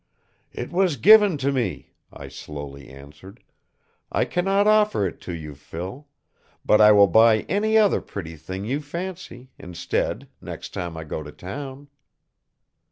"It was given to me," I slowly answered. "I cannot offer it to you, Phil. But I will buy any other pretty thing you fancy, instead, next time I go to town."